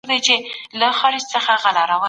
تصویب سوی قانون چیرته لیږل کیږي؟